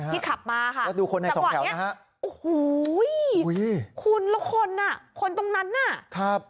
ขับมาค่ะแล้วดูคนในจังหวะนี้ฮะโอ้โหคุณแล้วคนอ่ะคนตรงนั้นน่ะครับ